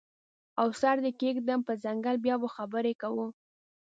او سر دې کیږدم په څنګل بیا به خبرې کوو